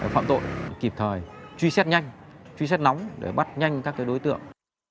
hoặc là các đối tượng thực hiện hành vi phạm tội kịp thời truy xét nhanh truy xét nóng để bắt nhanh các đối tượng